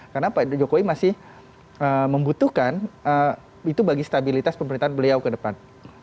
karena pak jokowi masih membutuhkan itu bagi stabilitas pemerintahan beliau ke depan